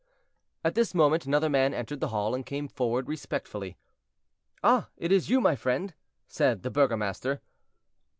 At this moment another man entered the hall, and came forward respectfully. "Ah! it is you, my friend," said the burgomaster.